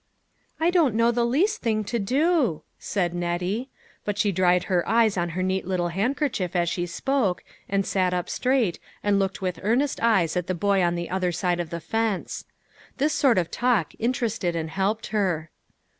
" I don't know the least thing to do," said Nettie ; but she dried her eyes on her neat little handkerchief as she spoke, and sat up straight, and looked with earnest eyes at the boy on the other side the fence. This sort of talk interested and helped her.